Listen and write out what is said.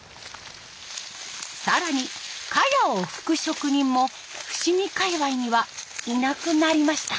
更にかやをふく職人も伏見界わいにはいなくなりました。